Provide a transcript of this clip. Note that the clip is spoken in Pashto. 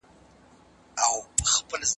ایا چارواکي له دې حقیقته خبر دي؟